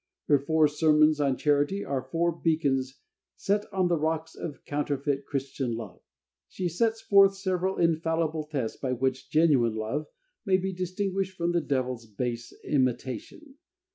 Her four sermons on Charity are four beacons set on the rocks of counterfeit Christian love. She sets forth several infallible tests by which genuine love may be distinguished from the devil's base imitation.